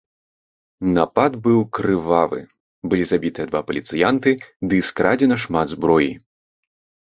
Напад быў крывавы, былі забітыя два паліцыянты ды скрадзена шмат зброі.